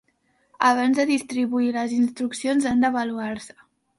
Abans de distribuir les instruccions, han d'avaluar-se.